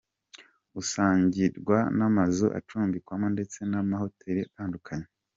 Usanganirwa n’amazu acumbikwamo ndetse n'amahoteli atandukanye.